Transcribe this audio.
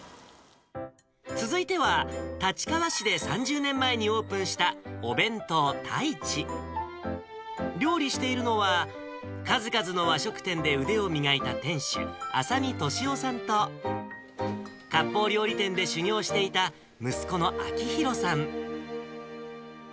続いては、立川市で３０年前にオープンしたお弁当太一。料理しているのは、数々の和食店で腕を磨いた店主、浅見俊雄さんとかっぽう料理店で修業していた息子の明弘さん。